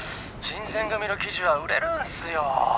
新選組の記事は売れるんすよ。